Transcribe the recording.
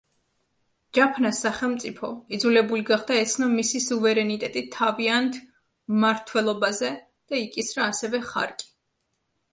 ჯაფნას სახელმწიფო იძლებული გახდა ეცნო მისი სუვერენიტეტი თავიანთ მმართველობაზე და იკისრა ასევე ხარკი.